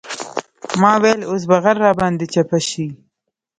ما ويل اوس به غر راباندې چپه سي.